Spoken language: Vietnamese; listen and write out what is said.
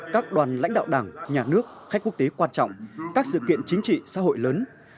các đoàn lãnh đạo đảng nhà nước khách quốc tế quan trọng các sự kiện chính trị xã hội lớn